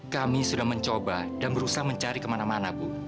kami sudah mencoba dan berusaha mencari kemana mana bu